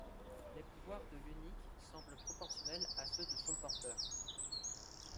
Les pouvoirs de l'Unique semblent proportionnels à ceux de son porteur.